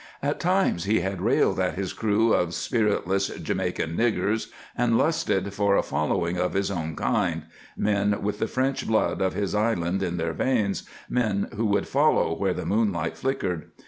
At times he had railed at his crew of spiritless Jamaican "niggers," and lusted for a following of his own kind men with the French blood of his island in their veins, men who would follow where the moonlight flickered.